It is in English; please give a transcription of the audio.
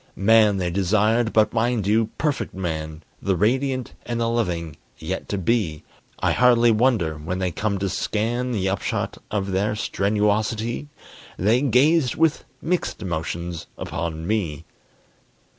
Man they desired, but mind you, Perfect Man, The radiant and the loving, yet to be! I hardly wonder, when they come to scan The upshot of their strenuosity, They gazed with mixed emotions upon me.